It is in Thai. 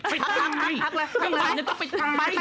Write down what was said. ไปตายไปตั้งนี่